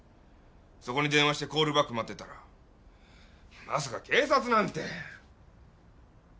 そこに電話してコールバック待ってたらまさか警察なんて。